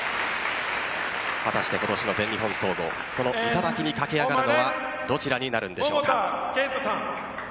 果たして今年の全日本総合その頂に駆け上がるのはどちらになるんでしょうか。